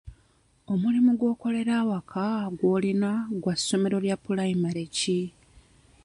Omulimu gw'okukolera awaka gw'olina gwa ssomero lya pulayimale ki?